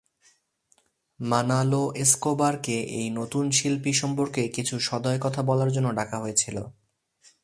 Manolo এসকোবারকে এই "নতুন" শিল্পী সম্পর্কে কিছু সদয় কথা বলার জন্য ডাকা হয়েছিল।